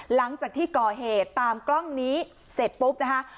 หลังจากที่ก่อเหตุตามกล้องนี้เสร็จปุ๊บนะคะ